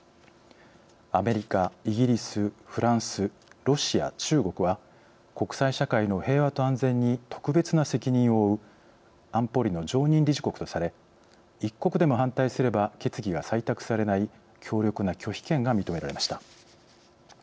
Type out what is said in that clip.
アメリカ・イギリス・フランスロシア・中国は国際社会の平和と安全に特別な責任を負う安保理の常任理事国とされ一国でも反対すれば決議が採択されない強力な拒否権が認められました。